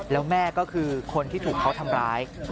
แล้วแม่ก็คือคนที่ถูกเขาทำร้าย